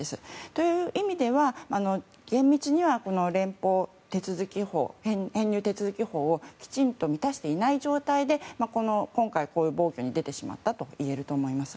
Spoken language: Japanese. という意味では、厳密には編入手続き法をきちんと満たしていない状態で今回、こういう暴挙に出てしまったといえると思います。